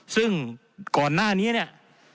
ซึ่งก่อนหน้านี้เนี่ย